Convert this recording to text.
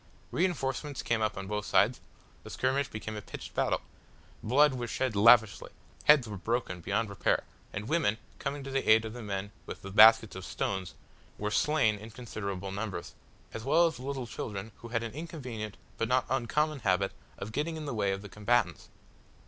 Reinforcements came up on both sides. The skirmish became a pitched battle. Blood was shed lavishly, heads were broken beyond repair, and women, coming to the help of the men with the baskets of stones, were slain in considerable numbers, as well as little children who had an inconvenient but not uncommon habit of getting in the way of the combatants.